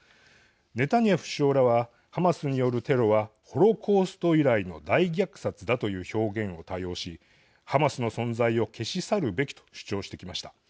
ネタニヤフ首相らはハマスによるテロはホロコースト以来の大虐殺だという表現を多用しハマスの存在を消し去るべきと主張してきました。